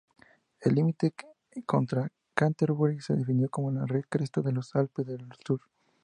El límite con Canterbury se definió como la cresta de los Alpes del Sur.